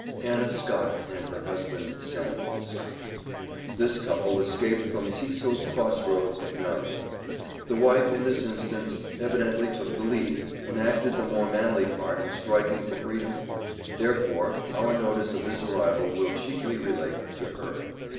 Anna Scott and husband, Samuel Scott. This couple escaped from Cecil Cross Roads, Md. The wife, in this instance, evidently took the lead, and acted the more manly part in striking for freedom; therefore, our notice of this arrival will chiefly relate to her..